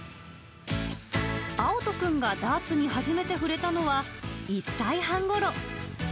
あおとくんがダーツに初めて触れたのは、１歳半ごろ。